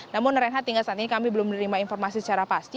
namun renhat hingga saat ini kami belum menerima informasi secara pasti